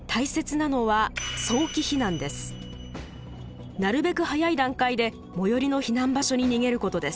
なるべく早い段階で最寄りの避難場所に逃げることです。